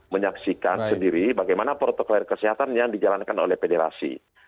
menyaksikan sendiri bagaimana protokol kesehatan yang dijalankan oleh federasi